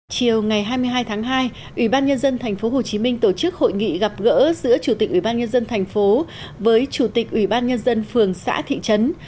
chiều ngày hai mươi hai tháng hai ủy ban nhân dân tp hcm tổ chức hội nghị gặp gỡ giữa chủ tịch ủy ban nhân dân thành phố với chủ tịch ủy ban nhân dân phường xã thị trấn